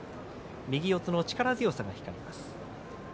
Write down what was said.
右四つの力強さが光ります。